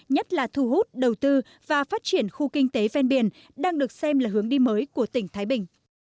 nhất là thu hút đầu tư và phát triển khu kinh tế ven biển đang được xem là hướng đi mới của tỉnh thái bình